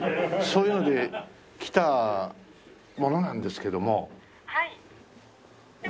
そういうので来た者なんですけども。